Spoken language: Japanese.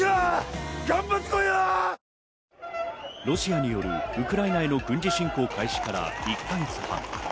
ロシアによるウクライナへの軍事侵攻開始から１か月半。